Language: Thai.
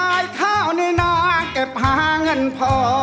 บุญลงพอขายข้าวในหน้าเก็บหาเงินพอ